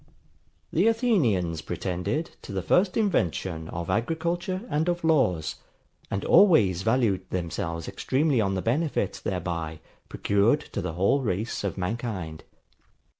The Athenians pretended to the first invention of agriculture and of laws: and always valued themselves extremely on the benefit thereby procured to the whole race of mankind.